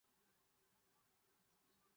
The Stade Municipal was the clubs first stadium.